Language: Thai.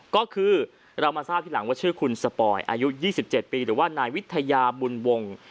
ก็คือเรามาทราบทีหลังว่าชื่อคุณสปอยอายุ๒๗ปีหรือว่านายวิทยาบุญวงศ์